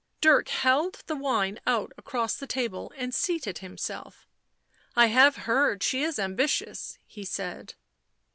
Dirk held the wine out across the table and seated himself. " I have heard she is ambitious," lie said.